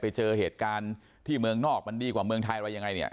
ไปเจอเหตุการณ์ที่เมืองนอกมันดีกว่าเมืองไทยอะไรยังไงเนี่ย